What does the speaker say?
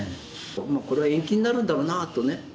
これは延期になるんだろうなとね。